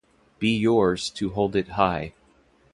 Be yours to hold it high.